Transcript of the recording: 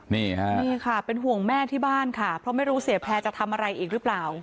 นี่ค่ะนี่ค่ะเป็นห่วงแม่ที่บ้านค่ะเพราะไม่รู้เสียแพร่จะทำอะไรอีกหรือเปล่า